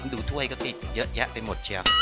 ถ้วยก็ติดเยอะแยะไปหมดเชียว